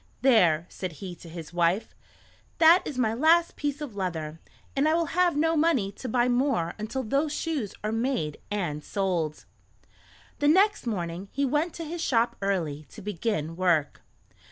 "There," said he to his wife; "that is my last piece of leather, and I will have no money to buy more until those shoes are made and sold." The next morning he went to his shop early to begin work.